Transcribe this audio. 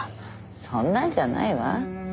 そんなんじゃないわ。